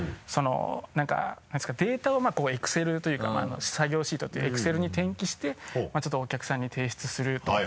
その何か何ですかデータをエクセルというか作業シートというエクセルに転記してまぁちょっとお客さんに提出すると。